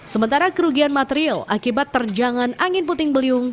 sementara kerugian material akibat terjangan angin puting beliung